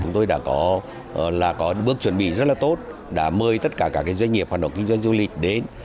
chúng tôi đã có bước chuẩn bị rất là tốt đã mời tất cả các doanh nghiệp hoạt động kinh doanh du lịch đến